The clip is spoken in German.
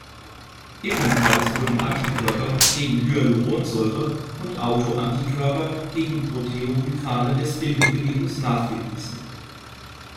Ebenfalls wurden Antikörper gegen Hyaluronsäure und Autoantikörper gegen Proteoglykane des Bindegewebes nachgewiesen.